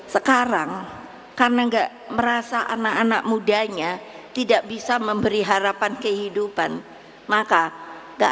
sekarang karena enggak merasa anak anak mudanya tidak bisa memberi harapan kehidupan maka gak